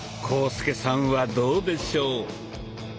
浩介さんはどうでしょう？